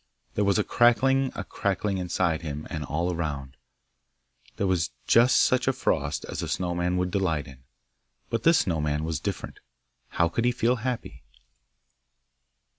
There was a cracking and cracking inside him and all around; there was just such a frost as a snow man would delight in. But this Snow man was different: how could he feel happy?